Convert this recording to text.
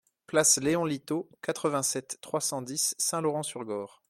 Place Léon Litaud, quatre-vingt-sept, trois cent dix Saint-Laurent-sur-Gorre